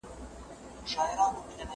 ښوونځی د زدهکوونکو شخصیت جوړوي.